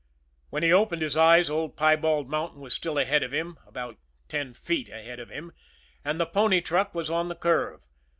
When he opened his eyes Old Piebald Mountain was still ahead of him about ten feet ahead of him and the pony truck was on the curve.